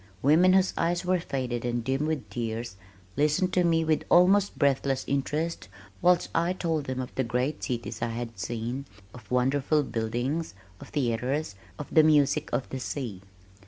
Women whose eyes were faded and dim with tears, listened to me with almost breathless interest whilst I told them of the great cities I had seen, of wonderful buildings, of theaters, of the music of the sea.